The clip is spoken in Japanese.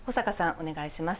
お願いします。